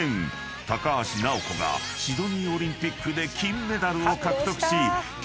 ［高橋尚子がシドニーオリンピックで金メダルを獲得しＱ